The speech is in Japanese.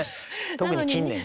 特に近年ね。